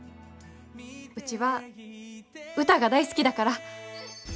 うちは歌が大好きだから。